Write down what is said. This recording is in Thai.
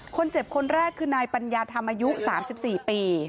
คนเจ็บคนแรกคือนายปัญญาธรรมอายุ๓๔ปี